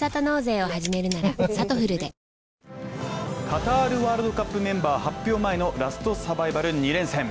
カタールワールドカップメンバー発表前のラストサバイバル２連戦。